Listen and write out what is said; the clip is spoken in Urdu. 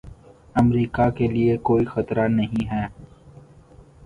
امریکا کے لیے کوئی خطرہ نہیں ہیں